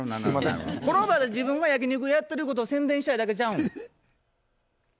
この場で自分が焼き肉屋やってること宣伝したいだけちゃうん？